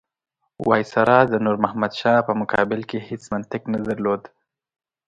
وایسرا د نور محمد شاه په مقابل کې هېڅ منطق نه درلود.